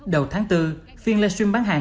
đầu tháng bốn phiên live stream bán hàng